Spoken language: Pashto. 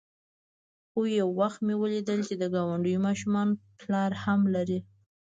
خو يو وخت مې وليدل چې د گاونډيو ماشومان پلار هم لري.